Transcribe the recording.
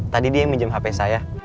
tadi dia minjem hp saya